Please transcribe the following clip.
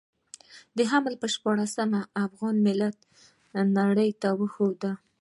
د حمل پر شپاړلسمه افغان ملت نړۍ ته وښوده.